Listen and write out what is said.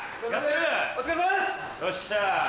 よっしゃ。